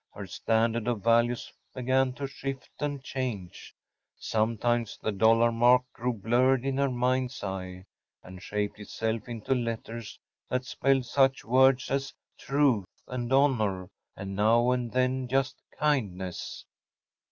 Her standard of values began to shift and change. Sometimes the dollar mark grew blurred in her mind’s eye, and shaped itself into letters that spelled such words as ‚Äútruth‚ÄĚ and ‚Äúhonor‚ÄĚ and now and then just “kindness.